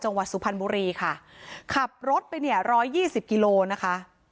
สุพรรณบุรีค่ะขับรถไปเนี่ยร้อยยี่สิบกิโลนะคะ